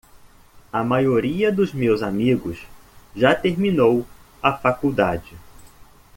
A maioria dos meus amigos já terminou a faculdade.